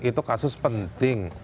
itu kasus penting